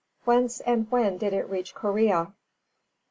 _Whence and when did it reach Korea?